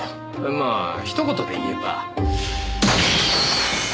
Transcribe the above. まあひと言で言えば。